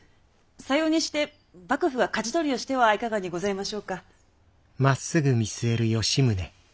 さようにして幕府がかじ取りをしてはいかがにございましょうか。